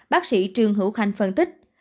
bác sĩ trương hữu khanh phân tích